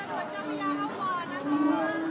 สวัสดีครับทุกคน